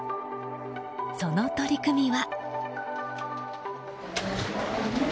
その取り組みは。